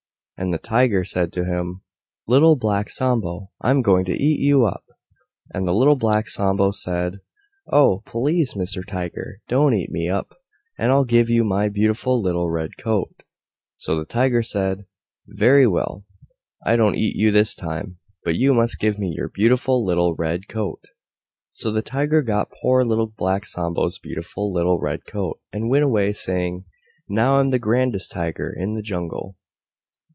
And the Tiger said to him, "Little Black Sambo, I'm going to eat you up!" And Little Black Sambo said, "Oh! Please Mr. Tiger, don't eat me up, and I'll give you my beautiful little Red Coat." So the Tiger said, "Very well, I won't eat you this time, but you must give me your beautiful little Red Coat." So the Tiger got poor Little Black Sambo's beautiful little Red Coat, and went away saying, "Now I'm the grandest Tiger in the Jungle."